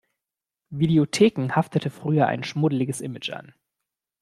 Videotheken haftete früher ein schmuddeliges Image an.